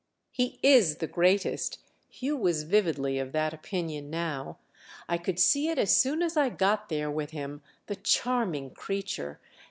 "He is the greatest"—Hugh was vividly of that opinion now: "I could see it as soon as I got there with him, the charming creature!